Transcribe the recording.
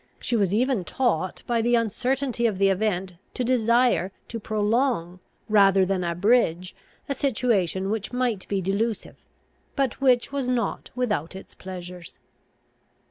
She was even taught by the uncertainty of the event to desire to prolong, rather than abridge, a situation which might be delusive, but which was not without its pleasures.